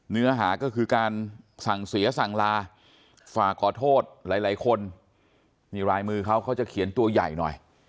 เนื้อหาก็คือการสั่งเสียสั่งลาฝากขอโทษหลายคนนี่ลายมือเขาเขาจะเขียนตัวใหญ่หน่อย